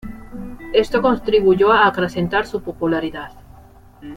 Esto contribuyó a acrecentar su popularidad.